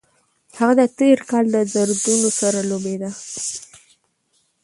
هغه د تېر مهال له دردونو سره لوبېده.